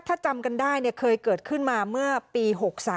ถ้าจำกันได้เคยเกิดขึ้นมาเมื่อปี๖๓